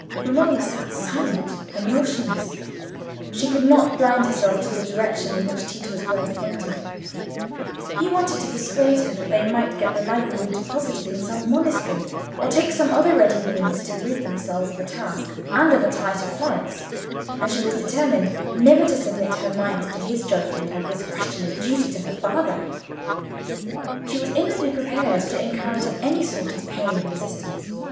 Romola sat silent and motionless: she could not blind herself to the direction in which Tito's words pointed: he wanted to persuade her that they might get the library deposited in some monastery, or take some other ready means to rid themselves of a task, and of a tie to Florence; and she was determined never to submit her mind to his judgment on this question of duty to her father; she was inwardly prepared to encounter any sort of pain in resistance.